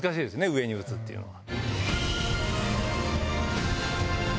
上に撃つっていうのは。